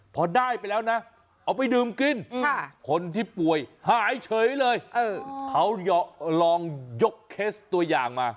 พอได้ไปแล้วน่ะอ๋อไปดื่มกิน